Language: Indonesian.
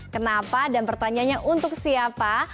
kenapa dan pertanyaannya untuk siapa